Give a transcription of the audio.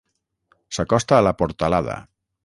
S'acosta a la portalada.